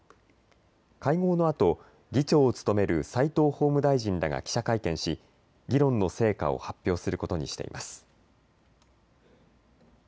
会合のあと議長を務める齋藤法務大臣らが記者会見し議論の成果を発表することにしています。